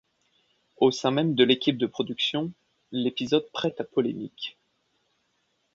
Au sein même de l'équipe de production, l'épisode prête à polémique.